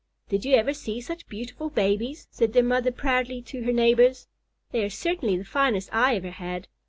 "Did you ever see such beautiful babies?" said their mother proudly to her neighbors. "They are certainly the finest I ever had."